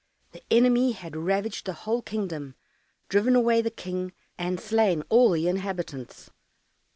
The enemy had ravaged the whole kingdom, driven away the King, and slain all the inhabitants.